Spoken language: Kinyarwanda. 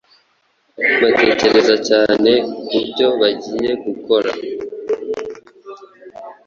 baratekereza cyane ku byo bagiye gukora